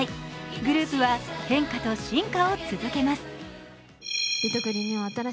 グループは変化と進化を続けます。